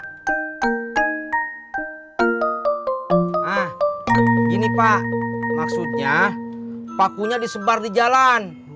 nah ini pak maksudnya pakunya disebar di jalan